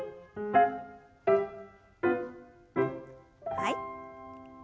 はい。